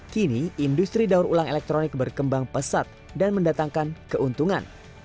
kini industri daur ulang elektronik berkembang pesat dan mendatangkan keuntungan